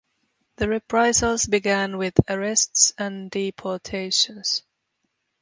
The reprisals began with arrests and deportations.